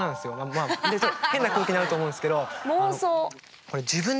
変な空気になると思うんですけど。